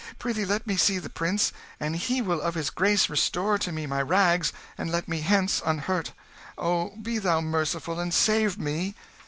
Prithee let me see the prince, and he will of his grace restore to me my rags, and let me hence unhurt. Oh, be thou merciful, and save me!"